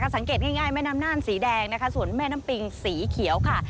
สังเกตง่ายแม่น้ำน่านสีแดงนะคะส่วนแม่น้ำปิงสีเขียวค่ะ